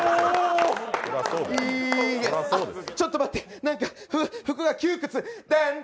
あ、ちょっと待って服が窮屈。